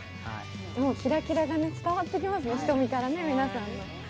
もうキラキラが伝わってきますね、瞳から皆さん。